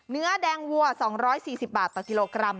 เนื้อแดงวัว๒๔๐บาทต่อกิโลกรัม